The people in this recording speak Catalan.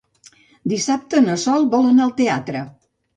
Dissabte na Sol vol anar al teatre.